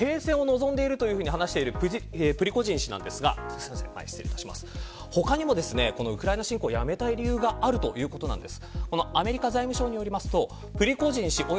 ただ停戦を望んでいるというふうに話しているプリゴジン氏ですが他にもウクライナ侵攻をやめたい理由があるということです。